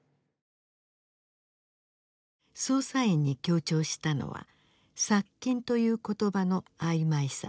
捜査員に強調したのは殺菌という言葉の曖昧さ。